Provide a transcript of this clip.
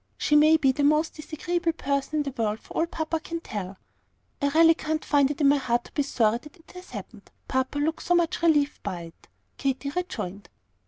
She may be the most disagreeable person in the world for all papa can tell." "I really can't find it in my heart to be sorry that it has happened, papa looks so much relieved by it," Katy rejoined.